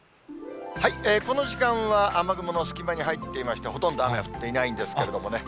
この時間は雨雲の隙間に入っていまして、ほとんど雨は降っていないんですけれどもね。